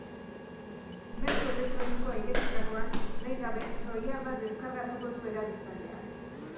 Mezu elektronikoa irekitakoan, nahi gabe, troiar bat deskargatuko du erabiltzaileak.